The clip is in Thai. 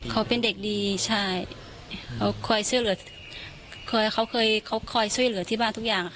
เขาเป็นเด็กดีใช่เขาคอยช่วยเหลือที่บ้านทุกอย่าง